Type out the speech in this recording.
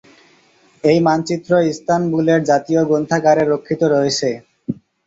এই মানচিত্র ইস্তানবুলের জাতীয় গ্রন্থাগারে রক্ষিত রয়েছে।